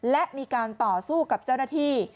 และมีการต่อสู้กับเจ้าหน้าที่